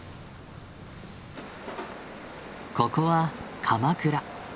ここは鎌倉。